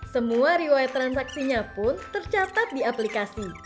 semua riwayat transaksinya pun tercatat di aplikasi